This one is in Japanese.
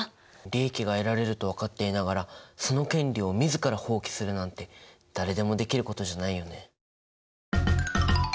利益が得られると分かっていながらその権利を自ら放棄するなんて誰でもできることじゃないよね。